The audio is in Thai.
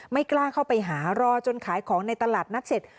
ไม่กล้าเข้าไปหารอจนขายของในตลาดนัดเสร็จ